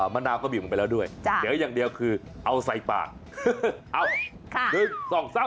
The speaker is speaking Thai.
มะนาวก็บีบลงไปแล้วด้วยเดี๋ยวอย่างเดียวคือเอาใส่ปากเอา